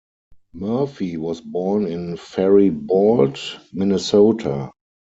Murphy was born in Faribault, Minnesota.